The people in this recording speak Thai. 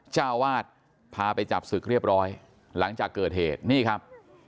เจ้าวาดพาไปจับศึกเรียบร้อยหลังจากเกิดเหตุนี่ครับ